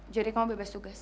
jadi kamu bebas tugas